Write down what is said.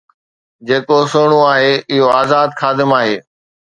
جيڪو سهڻو آهي اهو آزاد خادم آهي